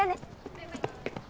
バイバイ。